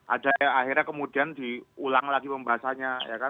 ada akhirnya kemudian diulang lagi pembahasannya